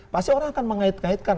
pasti orang akan mengait ngaitkan